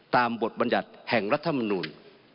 ตามบทบรรยัตแห่งรัฐมนุน